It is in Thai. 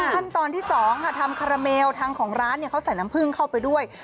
ขั้นตอนที่๒ค่ะทำคาราเมลทางของร้านเขาใส่น้ำผึ้งเข้าไปด้วย